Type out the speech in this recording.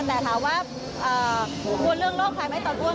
แต่ถามว่ากลัวเรื่องโรคไขมั้ยต่อตัวไหม